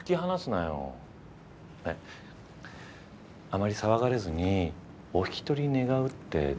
あまり騒がれずにお引き取り願うってどうしたらいい？